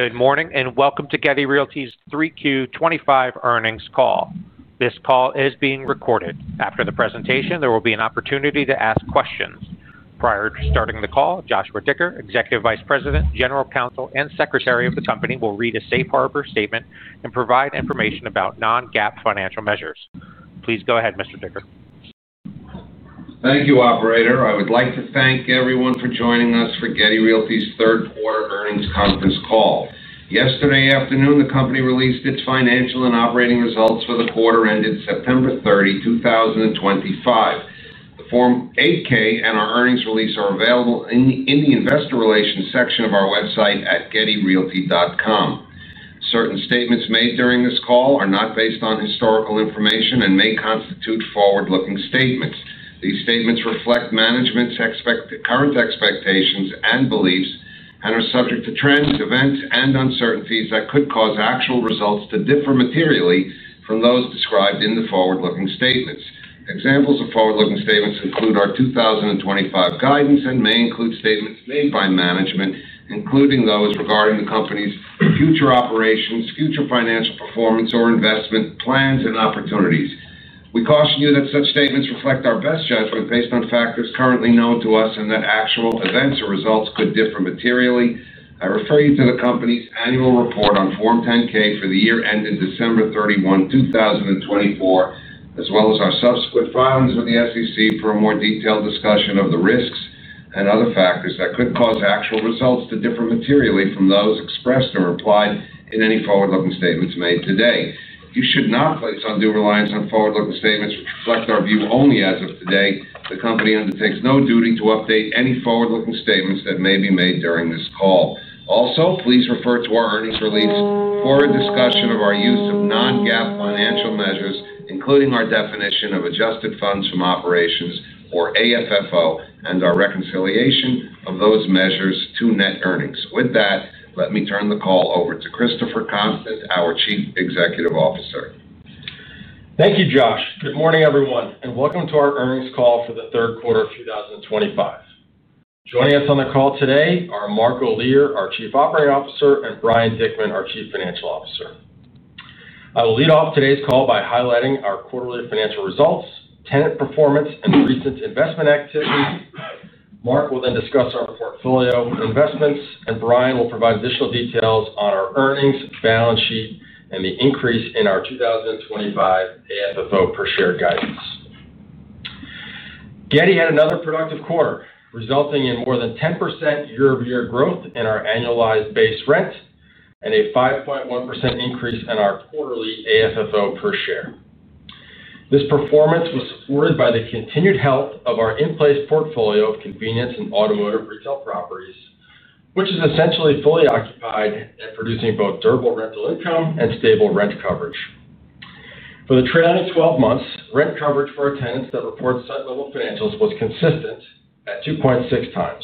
Good morning and welcome to Getty Realty's 3Q 2025 earnings call. This call is being recorded. After the presentation, there will be an opportunity to ask questions. Prior to starting the call, Josh Dicker, Executive Vice President, General Counsel, and Secretary of the Company, will read a safe harbor statement and provide information about non-GAAP financial measures. Please go ahead, Mr. Dicker. Thank you, Operator. I would like to thank everyone for joining us for Getty Realty's third quarter earnings conference call. Yesterday afternoon, the company released its financial and operating results for the quarter ended September 30, 2025. The Form 8-K and our earnings release are available in the Investor Relations section of our website at gettyrealty.com. Certain statements made during this call are not based on historical information and may constitute forward-looking statements. These statements reflect management's current expectations and beliefs and are subject to trends, events, and uncertainties that could cause actual results to differ materially from those described in the forward-looking statements. Examples of forward-looking statements include our 2025 guidance and may include statements made by management, including those regarding the company's future operations, future financial performance, or investment plans and opportunities. We caution you that such statements reflect our best judgment based on factors currently known to us and that actual events or results could differ materially. I refer you to the company's annual report on Form 10-K for the year ended December 31, 2024, as well as our subsequent filings with the SEC for a more detailed discussion of the risks and other factors that could cause actual results to differ materially from those expressed or implied in any forward-looking statements made today. You should not place undue reliance on forward-looking statements which reflect our view only as of today. The company undertakes no duty to update any forward-looking statements that may be made during this call. Also, please refer to our earnings release for a discussion of our use of non-GAAP financial measures, including our definition of adjusted funds from operations, or AFFO, and our reconciliation of those measures to net earnings. With that, let me turn the call over to Christopher Constant, our Chief Executive Officer. Thank you, Josh. Good morning, everyone, and welcome to our earnings call for the third quarter of 2025. Joining us on the call today are Mark Olear, our Chief Operating Officer, and Brian Dickman, our Chief Financial Officer. I will lead off today's call by highlighting our quarterly financial results, tenant performance, and the recent investment activity. Mark will then discuss our portfolio investments, and Brian will provide additional details on our earnings, balance sheet, and the increase in our 2025 AFFO per share guidance. Getty had another productive quarter, resulting in more than 10% year-over-year growth in our annualized base rent and a 5.1% increase in our quarterly AFFO per share. This performance was supported by the continued health of our in-place portfolio of convenience and automotive retail properties, which is essentially fully occupied and producing both durable rental income and stable rent coverage. For the trailing 12 months, rent coverage for our tenants that report on a consolidated financial basis was consistent at 2.6x.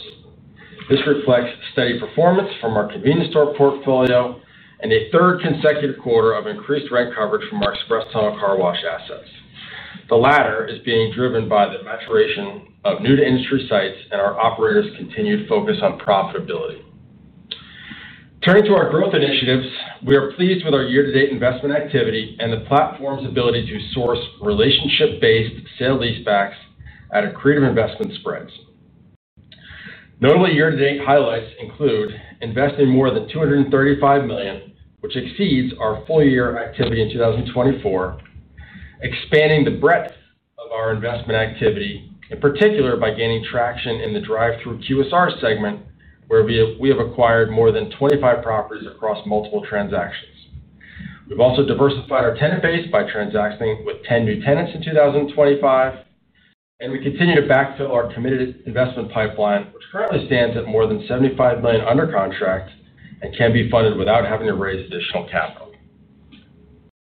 This reflects steady performance from our convenience store portfolio and a third consecutive quarter of increased rent coverage from our express tunnel car wash assets. The latter is being driven by the maturation of new-to-industry sites and our operators' continued focus on profitability. Turning to our growth initiatives, we are pleased with our year-to-date investment activity and the platform's ability to source relationship-based sale-leaseback transactions at accretive investment spreads. Notably, year-to-date highlights include investing more than $235 million, which exceeds our full-year activity in 2024, expanding the breadth of our investment activity, in particular by gaining traction in the drive-through QSR segment, where we have acquired more than 25 properties across multiple transactions. We've also diversified our tenant base by transacting with 10 new tenants in 2025, and we continue to backfill our committed investment pipeline, which currently stands at more than $75 million under contract and can be funded without having to raise additional capital.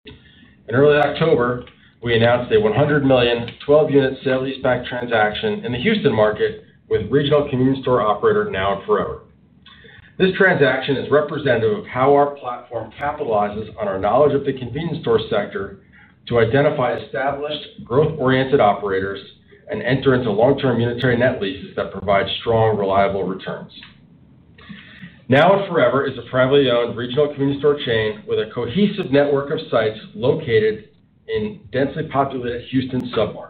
In early October, we announced a $100 million, 12-unit sale-leaseback transaction in the Houston market with regional convenience store operator Now & Forever. This transaction is representative of how our platform capitalizes on our knowledge of the convenience store sector to identify established growth-oriented operators and enter into long-term unitary net leases that provide strong, reliable returns. Now & Forever is a privately owned regional convenience store chain with a cohesive network of sites located in densely populated Houston submarkets.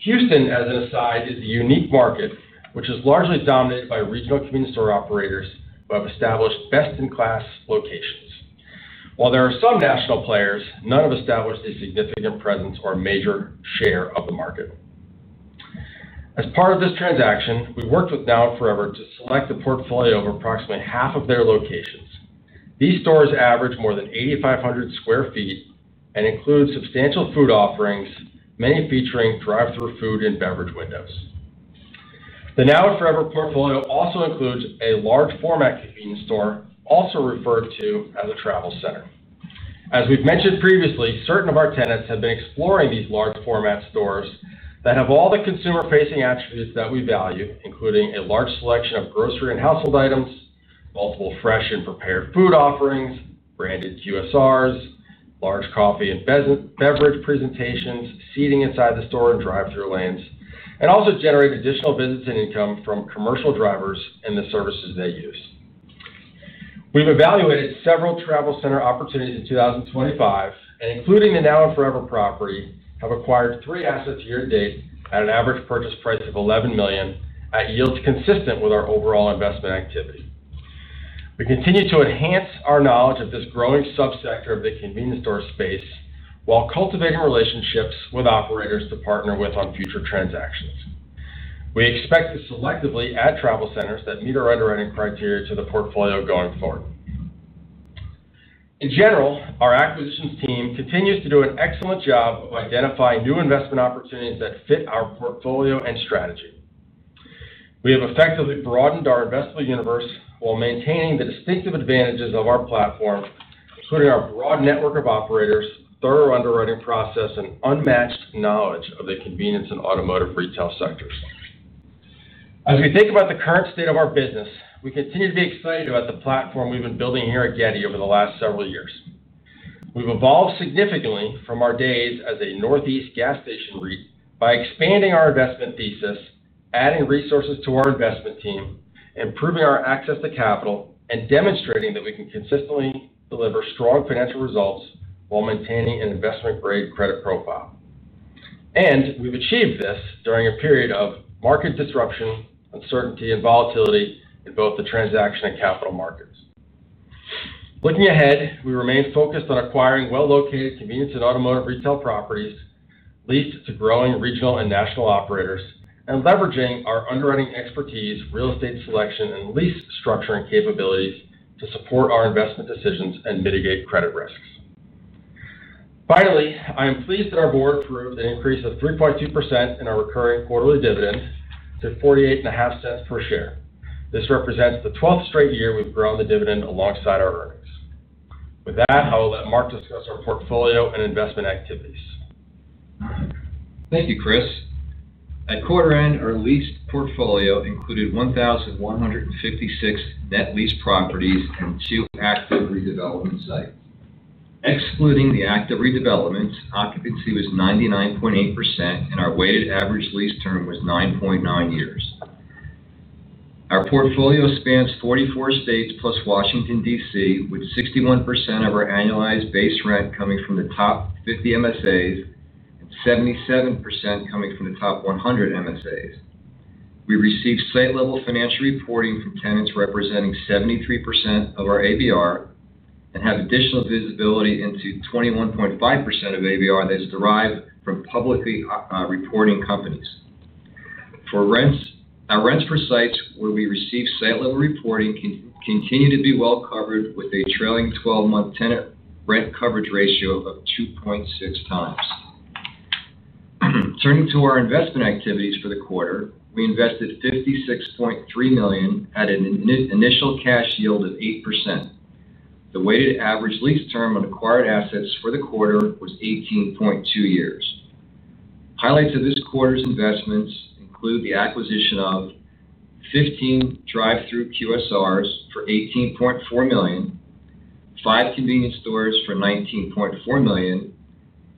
Houston, as an aside, is a unique market which is largely dominated by regional convenience store operators who have established best-in-class locations. While there are some national players, none have established a significant presence or major share of the market. As part of this transaction, we worked with Now & Forever to select a portfolio of approximately half of their locations. These stores average more than 8,500 sq ft and include substantial food offerings, many featuring drive-through food and beverage windows. The Now & Forever portfolio also includes a large-format convenience store, also referred to as a travel center. As we've mentioned previously, certain of our tenants have been exploring these large-format stores that have all the consumer-facing attributes that we value, including a large selection of grocery and household items, multiple fresh and prepared food offerings, branded QSRs, large coffee and beverage presentations, seating inside the store and drive-through lanes, and also generate additional visits and income from commercial drivers and the services they use. We've evaluated several travel center opportunities in 2025, and including the Now & Forever property, have acquired three assets year to date at an average purchase price of $11 million, at yields consistent with our overall investment activity. We continue to enhance our knowledge of this growing subsector of the convenience store space while cultivating relationships with operators to partner with on future transactions. We expect to selectively add travel centers that meet our underwriting criteria to the portfolio going forward. In general, our acquisitions team continues to do an excellent job of identifying new investment opportunities that fit our portfolio and strategy. We have effectively broadened our investment universe while maintaining the distinctive advantages of our platform, including our broad network of operators, thorough underwriting process, and unmatched knowledge of the convenience and automotive retail sectors. As we think about the current state of our business, we continue to be excited about the platform we've been building here at Getty over the last several years. We've evolved significantly from our days as a Northeast gas station REIT by expanding our investment thesis, adding resources to our investment team, improving our access to capital, and demonstrating that we can consistently deliver strong financial results while maintaining an investment-grade credit profile. We've achieved this during a period of market disruption, uncertainty, and volatility in both the transaction and capital markets. Looking ahead, we remain focused on acquiring well-located convenience and automotive retail properties, leased to growing regional and national operators, and leveraging our underwriting expertise, real estate selection, and lease structuring capabilities to support our investment decisions and mitigate credit risks. Finally, I am pleased that our board approved an increase of 3.2% in our recurring quarterly dividend to $0.485 per share. This represents the 12th straight year we've grown the dividend alongside our earnings. With that, I will let Mark discuss our portfolio and investment activities. Thank you, Chris. At quarter end, our leased portfolio included 1,156 net-leased properties and two active redevelopment sites. Excluding the active redevelopments, occupancy was 99.8%, and our weighted average lease term was 9.9 years. Our portfolio spans 44 states plus Washington, D.C., with 61% of our annualized base rent coming from the top 50 MSAs and 77% coming from the top 100 MSAs. We receive site-level financial reporting from tenants representing 73% of our ABR and have additional visibility into 21.5% of ABR that's derived from publicly reporting companies. For rents, our rents per sites where we receive site-level reporting continue to be well covered with a trailing 12-month tenant rent coverage ratio of 2.6x. Turning to our investment activities for the quarter, we invested $56.3 million at an initial cash yield of 8%. The weighted average lease term on acquired assets for the quarter was 18.2 years. Highlights of this quarter's investments include the acquisition of 15 drive-through QSRs for $18.4 million, five convenience stores for $19.4 million,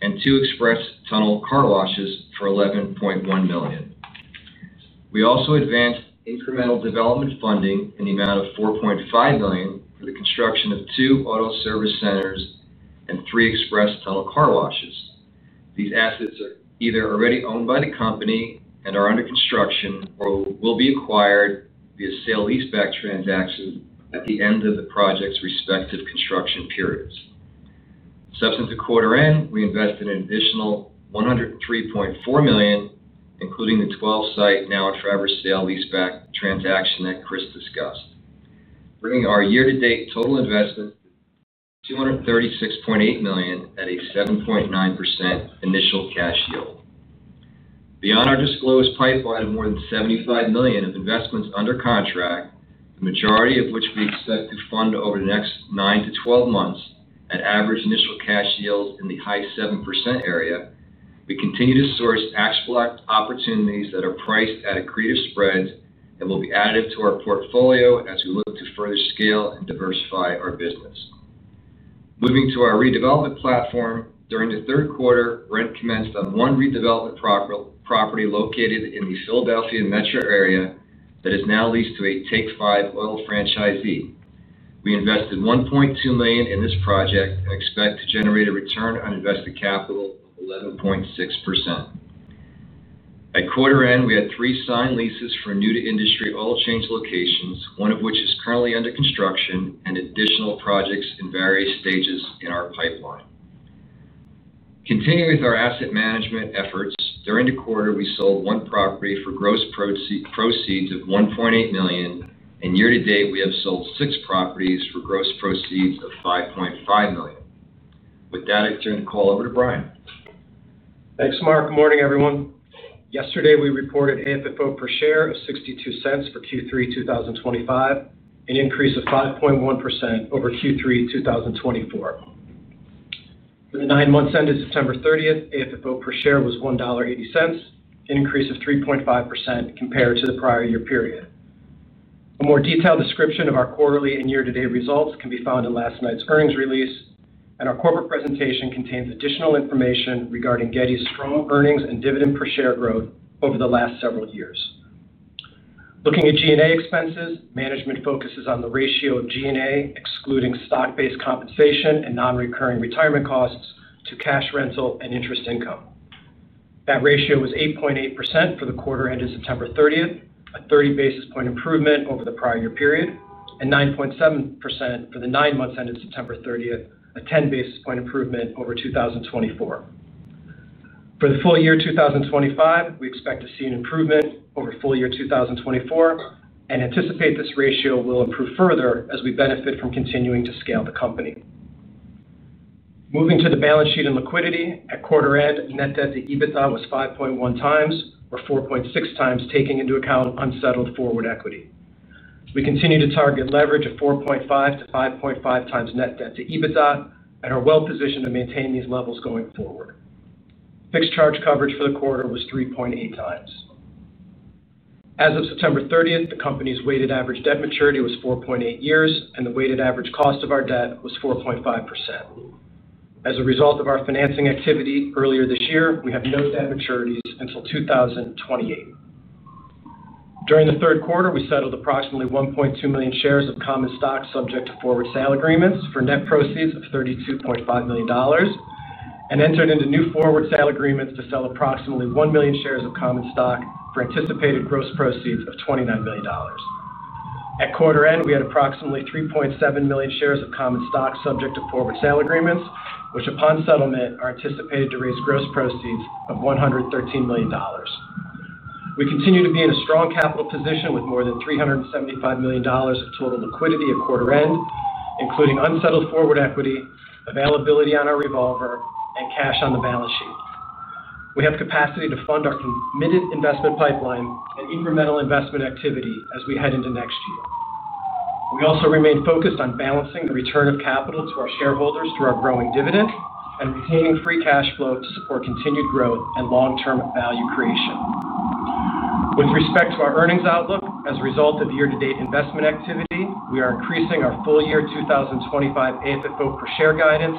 and two express tunnel car washes for $11.1 million. We also advanced incremental development funding in the amount of $4.5 million for the construction of two auto service centers and three express tunnel car washes. These assets are either already owned by the company and are under construction or will be acquired via sale-leaseback transactions at the end of the project's respective construction periods. Subsequent to quarter end, we invested an additional $103.4 million, including the 12-site Now & Forever sale-leaseback transaction that Chris discussed, bringing our year-to-date total investment to $236.8 million at a 7.9% initial cash yield. Beyond our disclosed pipeline of more than $75 million of investments under contract, the majority of which we expect to fund over the next nine to 12 months at average initial cash yields in the high 7% area, we continue to source actionable opportunities that are priced at an accretive spread and will be additive to our portfolio as we look to further scale and diversify our business. Moving to our redevelopment platform, during the third quarter, rent commenced on one redevelopment property located in the Philadelphia metro area that is now leased to a Take Five Oil franchisee. We invested $1.2 million in this project and expect to generate a return on invested capital of 11.6%. At quarter end, we had three signed leases for new-to-industry oil change locations, one of which is currently under construction, and additional projects in various stages in our pipeline. Continuing with our asset management efforts, during the quarter, we sold one property for gross proceeds of $1.8 million, and year to date, we have sold six properties for gross proceeds of $5.5 million. With that, I turn the call over to Brian. Thanks, Mark. Good morning, everyone. Yesterday, we reported AFFO per share of $0.62 for Q3 2025, an increase of 5.1% over Q3 2024. For the nine months ended September 30, AFFO per share was $1.80, an increase of 3.5% compared to the prior year period. A more detailed description of our quarterly and year-to-date results can be found in last night's earnings release, and our corporate presentation contains additional information regarding Getty's strong earnings and dividend per share growth over the last several years. Looking at G&A expenses, management focuses on the ratio of G&A, excluding stock-based compensation and non-recurring retirement costs, to cash rental and interest income. That ratio was 8.8% for the quarter ended September 30, a 30 basis point improvement over the prior year period, and 9.7% for the nine months ended September 30, a 10 basis point improvement over 2024. For the full year 2025, we expect to see an improvement over full year 2024 and anticipate this ratio will improve further as we benefit from continuing to scale the company. Moving to the balance sheet and liquidity, at quarter end, net debt to EBITDA was 5.1x or 4.6x, taking into account unsettled forward equity. We continue to target leverage of 4.5x-5.5x net debt to EBITDA and are well positioned to maintain these levels going forward. Fixed charge coverage for the quarter was 3.8x. As of September 30, the company's weighted average debt maturity was 4.8 years, and the weighted average cost of our debt was 4.5%. As a result of our financing activity earlier this year, we have no debt maturities until 2028. During the third quarter, we settled approximately 1.2 million shares of common stock subject to forward sale agreements for net proceeds of $32.5 million and entered into new forward sale agreements to sell approximately 1 million shares of common stock for anticipated gross proceeds of $29 million. At quarter end, we had approximately 3.7 million shares of common stock subject to forward sale agreements, which upon settlement are anticipated to raise gross proceeds of $113 million. We continue to be in a strong capital position with more than $375 million of total liquidity at quarter end, including unsettled forward equity, availability on our revolver, and cash on the balance sheet. We have capacity to fund our committed investment pipeline and incremental investment activity as we head into next year. We also remain focused on balancing the return of capital to our shareholders through our growing dividend and retaining free cash flow to support continued growth and long-term value creation. With respect to our earnings outlook, as a result of year-to-date investment activity, we are increasing our full-year 2025 AFFO per share guidance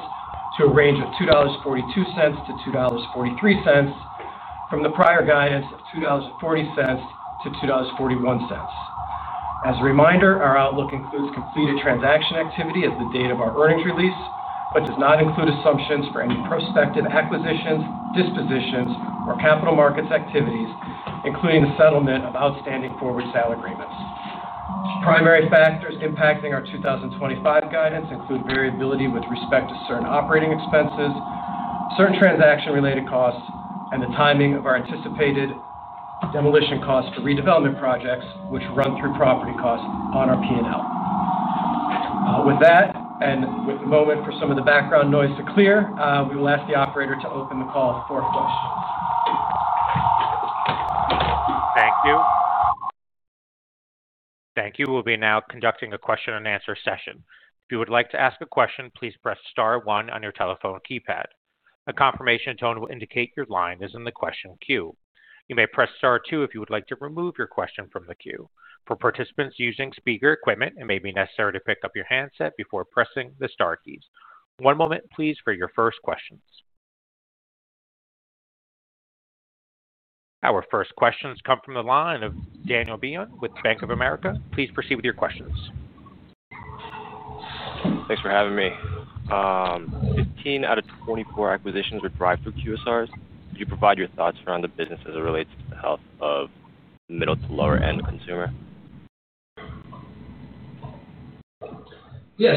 to a range of $2.42-$2.43 from the prior guidance of $2.40-$2.41. As a reminder, our outlook includes completed transaction activity as of the date of our earnings release, but does not include assumptions for any prospective acquisitions, dispositions, or capital markets activities, including the settlement of outstanding forward sale agreements. Primary factors impacting our 2025 guidance include variability with respect to certain operating expenses, certain transaction-related costs, and the timing of our anticipated demolition costs for redevelopment projects, which run through property costs on our P&L. With that, and with a moment for some of the background noise to clear, we will ask the operator to open the call for questions. Thank you. Thank you. We'll now be conducting a question and answer session. If you would like to ask a question, please press star one on your telephone keypad. A confirmation tone will indicate your line is in the question queue. You may press star two if you would like to remove your question from the queue. For participants using speaker equipment, it may be necessary to pick up your handset before pressing the star keys. One moment, please, for your first questions. Our first questions come from the line of [Daniel Bernstein] with Bank of America. Please proceed with your questions. Thanks for having me. Fifteen out of twenty-four acquisitions are drive-through QSRs. Could you provide your thoughts around the business as it relates to the health of the middle to lower-end consumer? Yeah.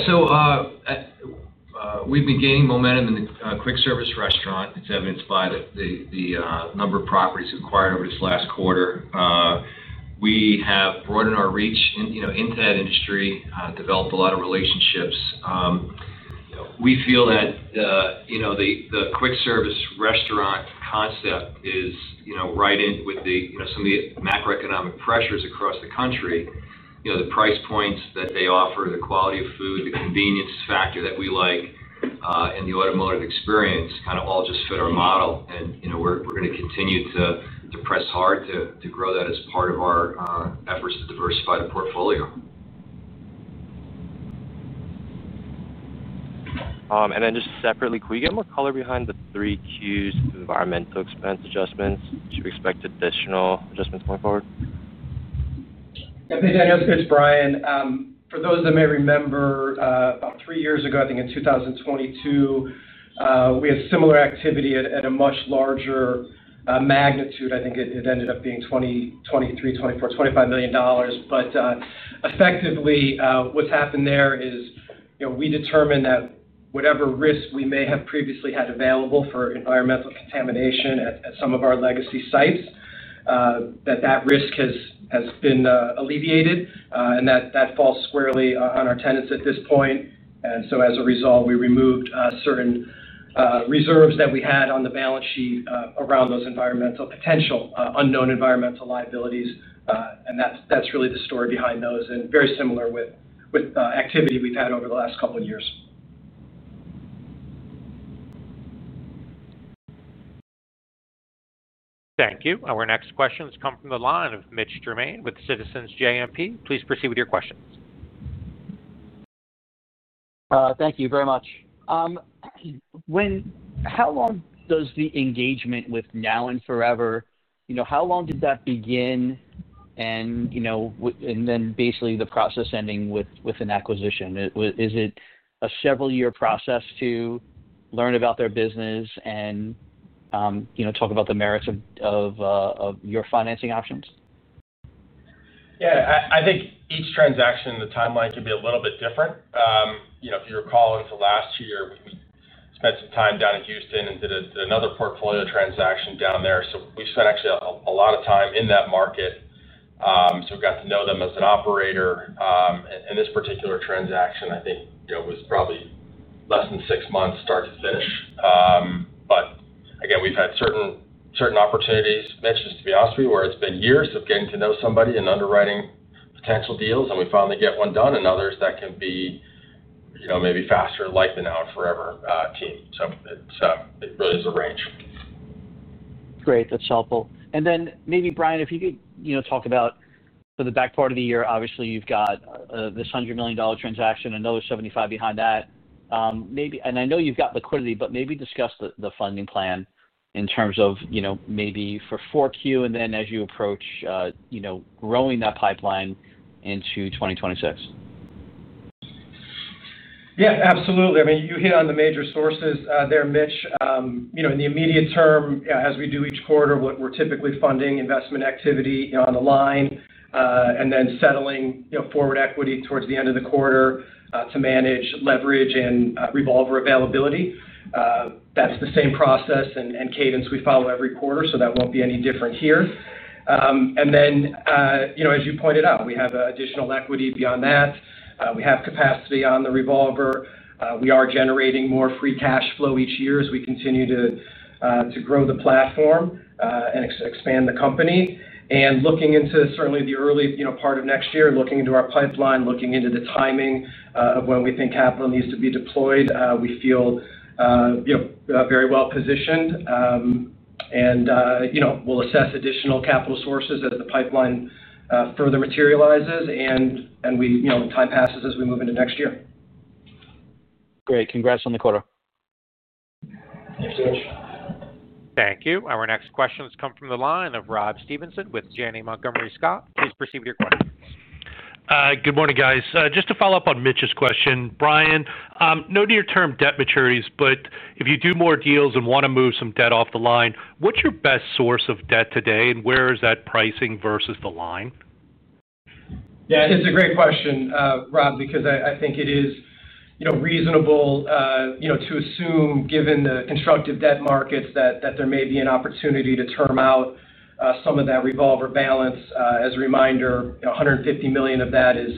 We've been gaining momentum in the quick service restaurant. It's evidenced by the number of properties acquired over this last quarter. We have broadened our reach into that industry, developed a lot of relationships. We feel that the quick service restaurant concept is right in with some of the macroeconomic pressures across the country. The price points that they offer, the quality of food, the convenience factor that we like, and the automotive experience kind of all just fit our model. We're going to continue to press hard to grow that as part of our efforts to diversify the portfolio. Could we get more color behind the three Q2 environmental expense adjustments? Do you expect additional adjustments going forward? Yeah, hey, Daniel. It's Chris, Brian. For those that may remember, about three years ago, I think in 2022, we had similar activity at a much larger magnitude. I think it ended up being $20 million, $23 million, $24 million, $25 million. Effectively, what's happened there is we determine that whatever risk we may have previously had available for environmental contamination at some of our legacy sites, that risk has been alleviated, and that falls squarely on our tenants at this point. As a result, we removed certain reserves that we had on the balance sheet around those potential unknown environmental liabilities. That's really the story behind those, and very similar with activity we've had over the last couple of years. Thank you. Our next questions come from the line of Mitch Germain with Citizens JMP. Please proceed with your questions. Thank you very much. How long does the engagement with Now & Forever, you know, how long did that begin, and then basically the process ending with an acquisition? Is it a several-year process to learn about their business and talk about the merits of your financing options? Yeah, I think each transaction, the timeline can be a little bit different. If you recall into last year, we spent some time down in Houston and did another portfolio transaction down there. We spent actually a lot of time in that market, so we got to know them as an operator. This particular transaction, I think, was probably less than six months start to finish. We've had certain opportunities, to be honest with you, where it's been years of getting to know somebody and underwriting potential deals, and we finally get one done, and others that can be maybe faster like the Now & Forever team. It really is a range. Great. That's helpful. Brian, if you could talk about for the back part of the year, obviously, you've got this $100 million transaction, another $75 million behind that. I know you've got liquidity, but maybe discuss the funding plan in terms of 4Q and then as you approach growing that pipeline into 2026. Yeah, absolutely. I mean, you hit on the major sources there, Mitch. In the immediate term, as we do each quarter, we're typically funding investment activity on the line and then settling forward equity towards the end of the quarter to manage leverage and revolver availability. That's the same process and cadence we follow every quarter, so that won't be any different here. As you pointed out, we have additional equity beyond that. We have capacity on the revolver. We are generating more free cash flow each year as we continue to grow the platform and expand the company. Looking into certainly the early part of next year, looking into our pipeline, looking into the timing of when we think capital needs to be deployed, we feel very well positioned. We'll assess additional capital sources as the pipeline further materializes and as time passes as we move into next year. Great. Congrats on the quarter. Thanks, Mitch. Thank you. Our next questions come from the line of Rob Stevenson with Janney Montgomery Scott. Please proceed with your questions. Good morning, guys. Just to follow up on Mitch's question, Brian, no near term debt maturities, but if you do more deals and want to move some debt off the line, what's your best source of debt today, and where is that pricing versus the line? Yeah, it's a great question, Rob, because I think it is reasonable to assume, given the constructive debt markets, that there may be an opportunity to term out some of that revolver balance. As a reminder, $150 million of that is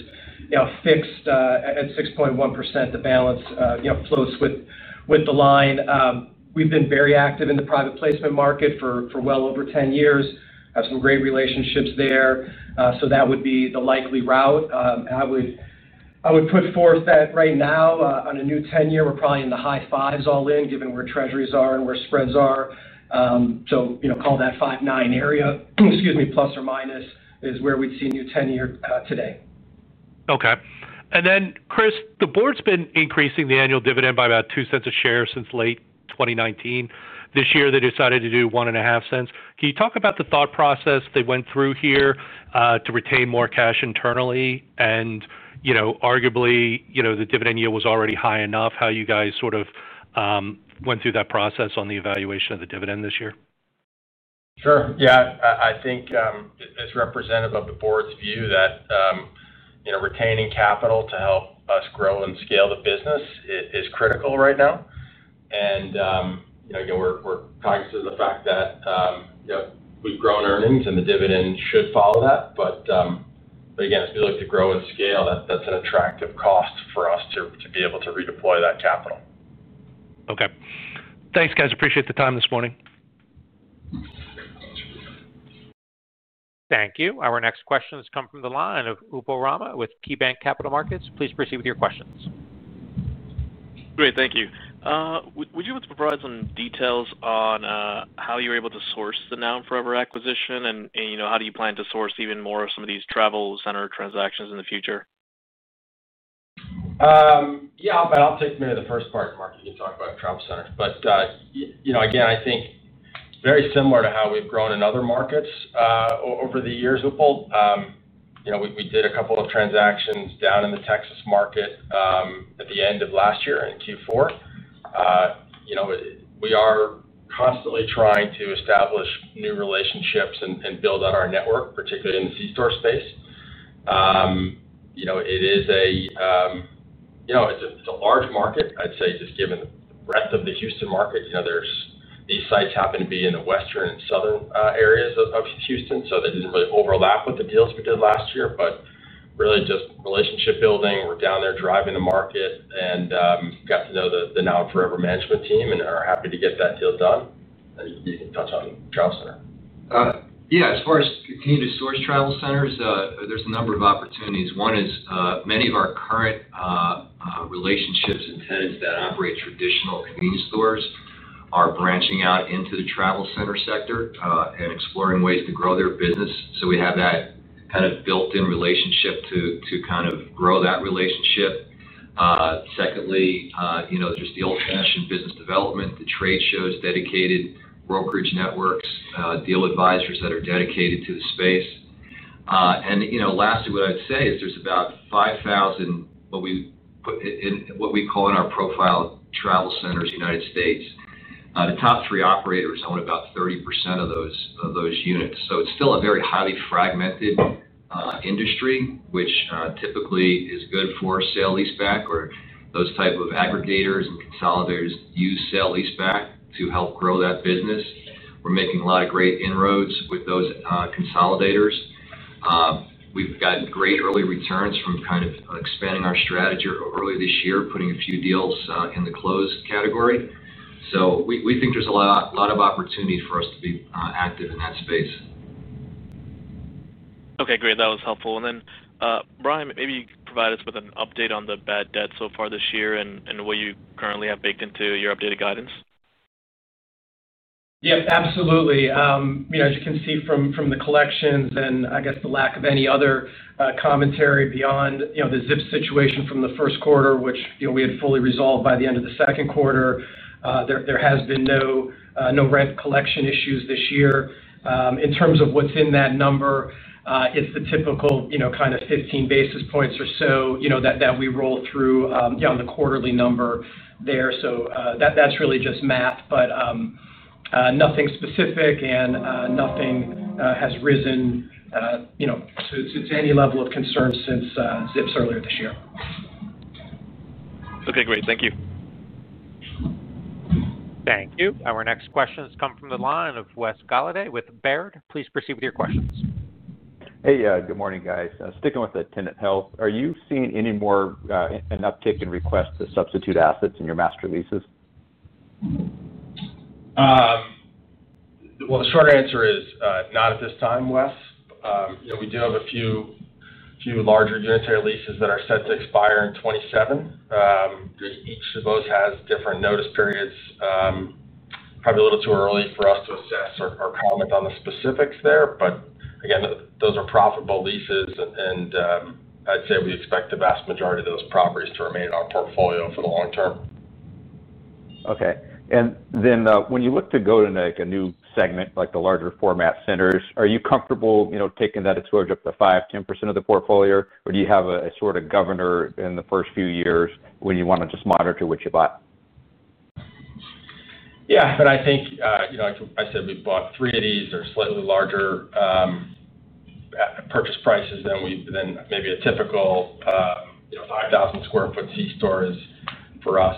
fixed at 6.1%. The balance flows with the line. We've been very active in the private placement market for well over 10 years. I have some great relationships there. That would be the likely route. I would put forth that right now on a new 10-year, we're probably in the high fives all in, given where treasuries are and where spreads are. Call that 5.9% area, excuse me, plus or minus is where we'd see a new 10-year today. Okay. Chris, the board's been increasing the annual dividend by about $0.02 a share since late 2019. This year, they decided to do $0.015. Can you talk about the thought process they went through here to retain more cash internally? You know, arguably, the dividend yield was already high enough. How you guys sort of went through that process on the evaluation of the dividend this year? Sure. I think it's representative of the board's view that, you know, retaining capital to help us grow and scale the business is critical right now. We're cognizant of the fact that, you know, we've grown earnings and the dividend should follow that. Again, as we look to grow and scale, that's an attractive cost for us to be able to redeploy that capital. Okay, thanks, guys. Appreciate the time this morning. Thank you. Our next questions come from the line of Upal Rana with KeyBanc Capital Markets. Please proceed with your questions. Great. Thank you. Would you be able to provide some details on how you're able to source the Now & Forever acquisition, and how do you plan to source even more of some of these travel center transactions in the future? Yeah, I'll take maybe the first part, Mark. You can talk about travel centers. I think it's very similar to how we've grown in other markets over the years, Upal. We did a couple of transactions down in the Texas market at the end of last year in Q4. We are constantly trying to establish new relationships and build out our network, particularly in the C-store space. It is a large market. I'd say just given the breadth of the Houston market, these sites happen to be in the western and southern areas of Houston. They didn't really overlap with the deals we did last year, but really just relationship building. We're down there driving the market and got to know the Now & Forever management team and are happy to get that deal done. You can touch on the travel center. Yeah, as far as continuing to source travel centers, there's a number of opportunities. One is, many of our current relationships and tenants that operate traditional convenience stores are branching out into the travel center sector and exploring ways to grow their business. We have that kind of built-in relationship to kind of grow that relationship. Secondly, just the old-fashioned business development, the trade shows, dedicated brokerage networks, deal advisors that are dedicated to the space. Lastly, what I'd say is there's about 5,000, what we put in what we call in our profile travel centers in the United States. The top three operators own about 30% of those units. It's still a very highly fragmented industry, which typically is good for sale-leaseback or those types of aggregators and consolidators that use sale-leaseback to help grow that business. We're making a lot of great inroads with those consolidators. We've gotten great early returns from expanding our strategy earlier this year, putting a few deals in the closed category. We think there's a lot of opportunity for us to be active in that space. Okay, great. That was helpful. Brian, maybe you could provide us with an update on the bad debt so far this year and what you currently have baked into your updated guidance. Yeah, absolutely. As you can see from the collections and the lack of any other commentary beyond, you know, the zip situation from the first quarter, which we had fully resolved by the end of the second quarter, there has been no rent collection issues this year. In terms of what's in that number, it's the typical, you know, kind of 15 basis points or so that we roll through on the quarterly number there. That's really just math, but nothing specific and nothing has risen to any level of concern since zips earlier this year. Okay, great. Thank you. Thank you. Our next questions come from the line of Wes Golladay with Baird. Please proceed with your questions. Hey, good morning, guys. Sticking with the tenant health, are you seeing any more, an uptick in requests to substitute assets in your master leases? At this time, Wes, we do have a few larger unitary leases that are set to expire in 2027. Each of those has different notice periods. It's probably a little too early for us to assess or comment on the specifics there. Again, those are profitable leases, and I'd say we expect the vast majority of those properties to remain in our portfolio for the long term. Okay. When you look to go to make a new segment, like the larger format centers, are you comfortable taking that exposure up to 5% or 10% of the portfolio, or do you have a sort of governor in the first few years when you want to just monitor what you bought? Yeah, I think, like I said, we bought three of these or slightly larger, purchase prices than maybe a typical 5,000 sq ft C-store is for us.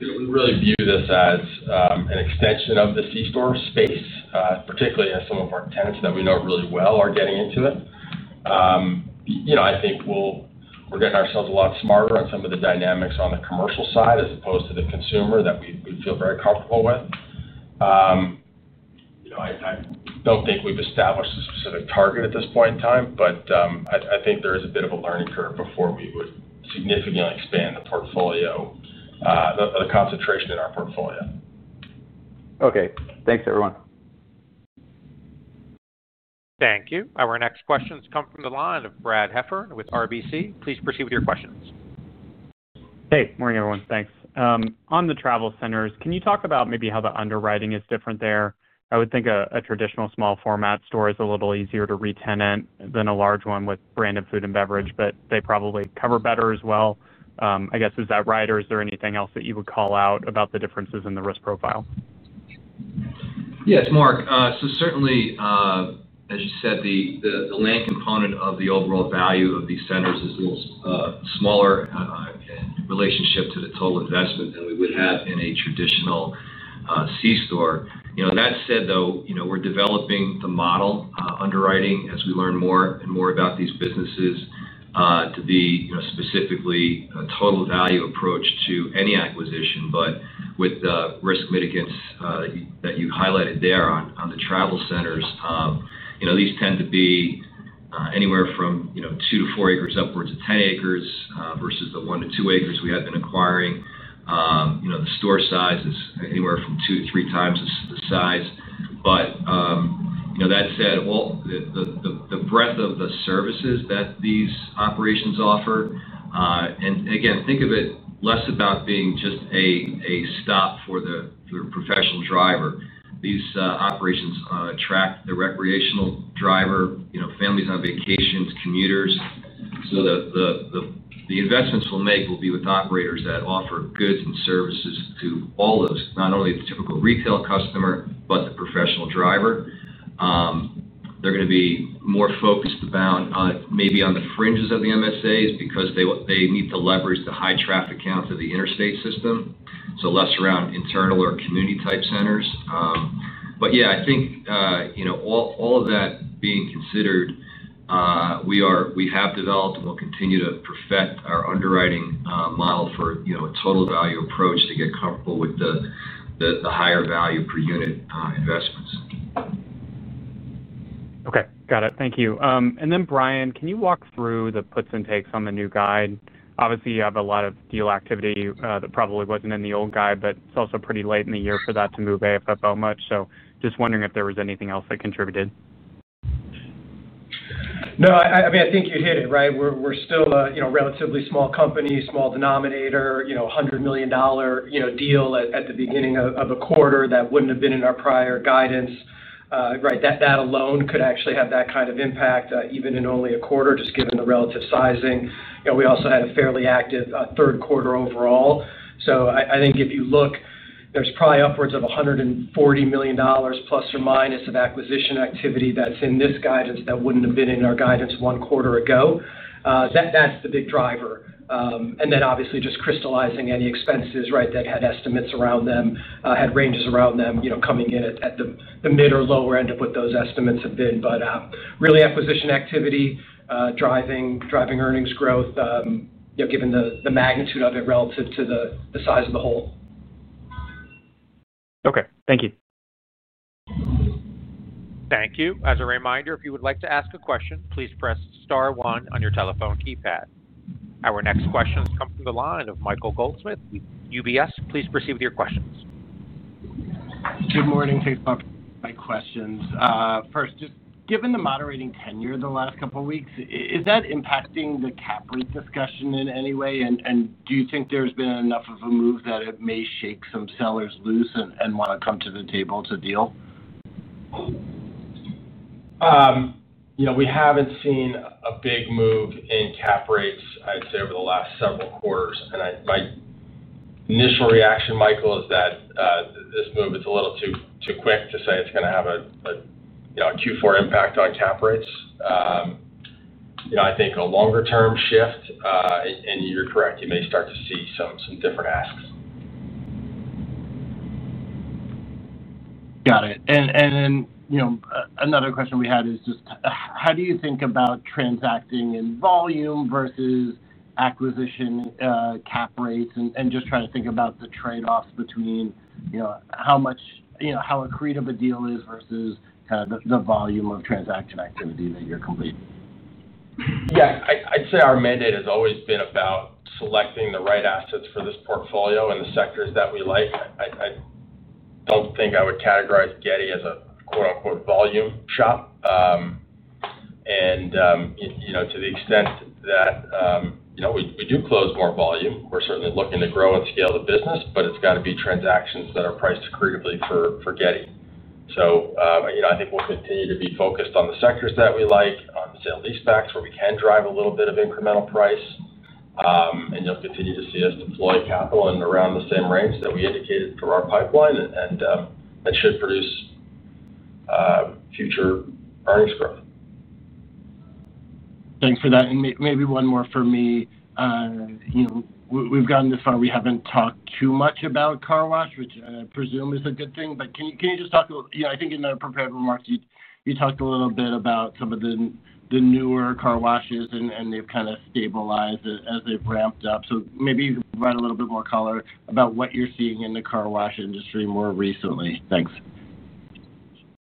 We really view this as an extension of the C-store space, particularly as some of our tenants that we know really well are getting into it. I think we're getting ourselves a lot smarter on some of the dynamics on the commercial side as opposed to the consumer that we feel very comfortable with. I don't think we've established a specific target at this point in time, but I think there is a bit of a learning curve before we would significantly expand the concentration in our portfolio. Okay, thanks, everyone. Thank you. Our next questions come from the line of Brad Heffern with RBC. Please proceed with your questions. Hey, morning, everyone. Thanks. On the travel centers, can you talk about maybe how the underwriting is different there? I would think a traditional small format store is a little easier to retain than a large one with branded food and beverage, but they probably cover better as well. I guess, is that right, or is there anything else that you would call out about the differences in the risk profile? Yes, Mark. Certainly, as you said, the land component of the overall value of these centers is a little smaller in relationship to the total investment than we would have in a traditional C-store. That said, though, we're developing the model, underwriting as we learn more and more about these businesses, to be specifically a total value approach to any acquisition. With the risk mitigants that you highlighted there on the travel centers, these tend to be anywhere from 2-4 acres upwards to 10 acres, versus the 1-2 acres we have been acquiring. The store size is anywhere from two to three times the size. All the breadth of the services that these operations offer, and again, think of it less about being just a stop for the professional driver. These operations attract the recreational driver, families on vacations, commuters. The investments we'll make will be with operators that offer goods and services to all of those, not only the typical retail customer, but the professional driver. They're going to be more focused maybe on the fringes of the MSAs because they need to leverage the high traffic counts of the interstate system. Less around internal or community-type centers. I think, all of that being considered, we have developed and we'll continue to perfect our underwriting model for a total value approach to get comfortable with the higher value per unit investments. Okay. Got it. Thank you. Brian, can you walk through the puts and takes on the new guide? Obviously, you have a lot of deal activity that probably wasn't in the old guide, but it's also pretty late in the year for that to move AFFO per share much. Just wondering if there was anything else that contributed. No, I mean, I think you hit it, right? We're still a relatively small company, small denominator, you know, $100 million deal at the beginning of a quarter that wouldn't have been in our prior guidance, right? That alone could actually have that kind of impact, even in only a quarter, just given the relative sizing. We also had a fairly active third quarter overall. I think if you look, there's probably upwards of $140 million, plus or minus, of acquisition activity that's in this guidance that wouldn't have been in our guidance one quarter ago. That's the big driver, and then obviously just crystallizing any expenses that had estimates around them, had ranges around them, coming in at the mid or lower end of what those estimates have been. Really, acquisition activity driving earnings growth, given the magnitude of it relative to the size of the whole. Okay, thank you. Thank you. As a reminder, if you would like to ask a question, please press star one on your telephone keypad. Our next questions come from the line of Michael Goldsmith with UBS. Please proceed with your questions. Good morning. Thanks for offering my questions. First, just given the moderating tenure in the last couple of weeks, is that impacting the cap rate discussion in any way? Do you think there's been enough of a move that it may shake some sellers loose and want to come to the table to deal? We haven't seen a big move in cap rates over the last several quarters. My initial reaction, Michael, is that this move is a little too quick to say it's going to have a Q4 impact on cap rates. I think a longer-term shift, and you're correct, you may start to see some different asks. Got it. Another question we had is just how do you think about transacting in volume versus acquisition cap rates, and just trying to think about the trade-offs between how much, you know, how accretive a deal is versus kind of the volume of transaction activity that you're completing? I'd say our mandate has always been about selecting the right assets for this portfolio and the sectors that we like. I don't think I would categorize Getty as a "volume shop." To the extent that we do close more volume, we're certainly looking to grow and scale the business, but it's got to be transactions that are priced accretively for Getty. I think we'll continue to be focused on the sectors that we like, on the sale-leaseback transactions where we can drive a little bit of incremental price. You'll continue to see us deploy capital in around the same range that we indicated for our pipeline, and that should produce future earnings growth. Thanks for that. Maybe one more for me. We've gotten this far, we haven't talked too much about car wash, which I presume is a good thing. Can you just talk a little, I think in the prepared remarks, you talked a little bit about some of the newer car washes, and they've kind of stabilized as they've ramped up. Maybe you can provide a little bit more color about what you're seeing in the car wash industry more recently. Thanks.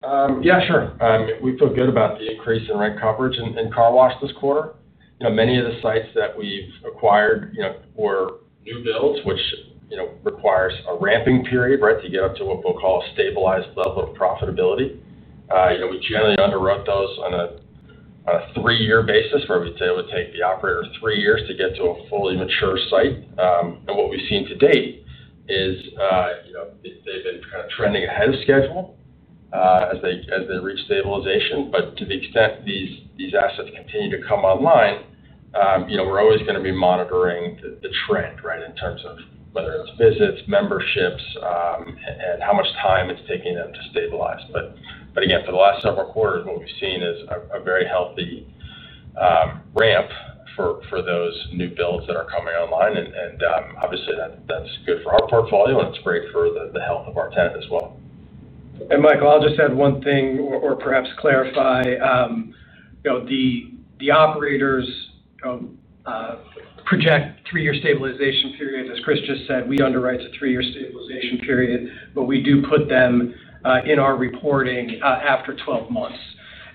Yeah, sure. We feel good about the increase in rent coverage in car wash this quarter. Many of the sites that we've acquired were new builds, which requires a ramping period, right, to get up to what we'll call a stabilized level of profitability. We generally underwrote those on a three-year basis where we'd say it would take the operator three years to get to a fully mature site. What we've seen to date is they've been kind of trending ahead of schedule as they reach stabilization. To the extent these assets continue to come online, we're always going to be monitoring the trend, right, in terms of whether it's visits, memberships, and how much time it's taking them to stabilize. For the last several quarters, what we've seen is a very healthy ramp for those new builds that are coming online. Obviously, that's good for our portfolio, and it's great for the health of our tenant as well. Michael, I'll just add one thing or perhaps clarify. The operators project three-year stabilization periods. As Chris just said, we underwrite a three-year stabilization period, but we do put them in our reporting after 12 months.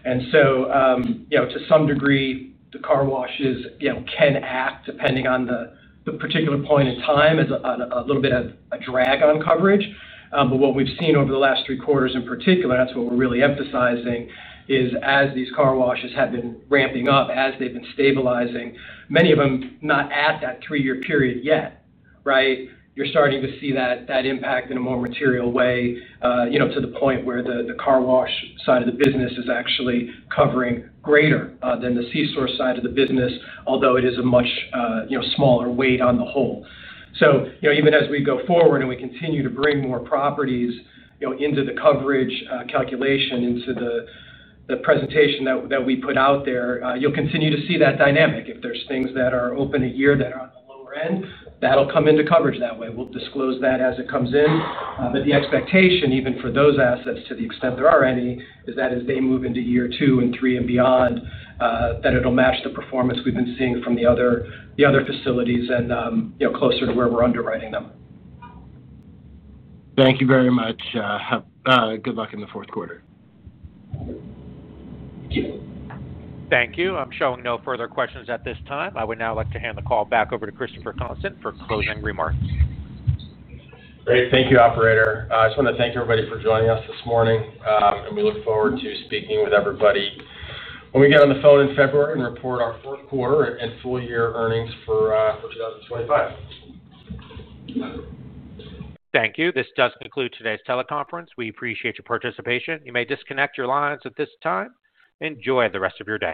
To some degree, the car washes can act, depending on the particular point in time, as a little bit of a drag on coverage. What we've seen over the last three quarters in particular, and that's what we're really emphasizing, is as these car washes have been ramping up, as they've been stabilizing, many of them not at that three-year period yet, right? You're starting to see that impact in a more material way, to the point where the car wash side of the business is actually covering greater than the C-store side of the business, although it is a much smaller weight on the whole. Even as we go forward and we continue to bring more properties into the coverage calculation, into the presentation that we put out there, you'll continue to see that dynamic. If there are things that are open a year that are on the lower end, that'll come into coverage that way. We'll disclose that as it comes in. The expectation, even for those assets, to the extent there are any, is that as they move into year two and three and beyond, it'll match the performance we've been seeing from the other facilities and closer to where we're underwriting them. Thank you very much. Have good luck in the fourth quarter. Thank you. Thank you. I'm showing no further questions at this time. I would now like to hand the call back over to Christopher Constant for closing remarks. Great. Thank you, operator. I just want to thank everybody for joining us this morning, and we look forward to speaking with everybody when we get on the phone in February and report our fourth quarter and full-year earnings for 2025. Thank you. This does conclude today's teleconference. We appreciate your participation. You may disconnect your lines at this time. Enjoy the rest of your day.